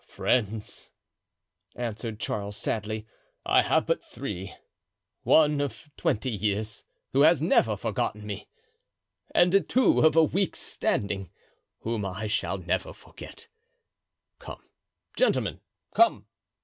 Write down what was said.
"Friends!" answered Charles, sadly, "I have but three—one of twenty years, who has never forgotten me, and two of a week's standing, whom I shall never forget. Come, gentlemen, come!"